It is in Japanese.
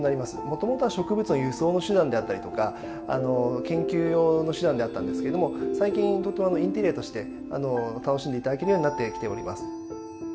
もともとは植物の輸送の手段であったりとか研究用の手段であったんですけれども最近とてもインテリアとして楽しんで頂けるようになってきております。